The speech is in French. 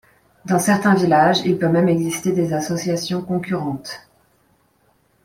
Dans certains villages, il peut même exister des associations concurrentes.